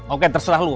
oke terserah lo